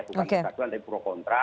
bukan misalkan pro kontra